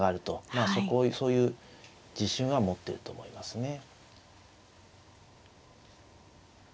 まあそういう自信は持ってると思いますね。